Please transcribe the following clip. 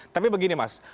tapi begini mas